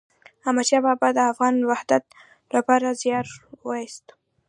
احمد شاه بابا د افغان وحدت لپاره زیار وایست.